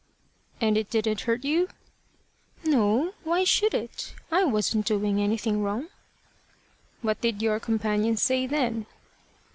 "And it didn't hurt you?" "No. Why should it? I wasn't doing anything wrong." "What did your companions say then?"